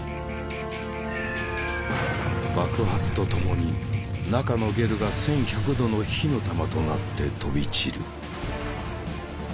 爆発とともに中のゲルが１，１００度の火の玉となって飛び散る。